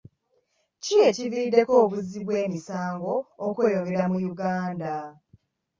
Ki ekiviiriddeko obuzzi bw'emisango okweyongera mu Uganda?